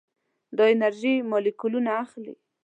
دا انرژي مالیکولونه اخلي.